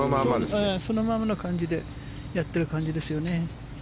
そのままの感じでやってる感じですよね。